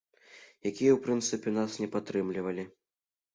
Якія, у прынцыпе, нас не падтрымлівалі.